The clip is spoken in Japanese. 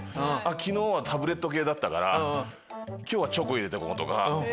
昨日はタブレット系だったから今日はチョコ入れてこう！とか。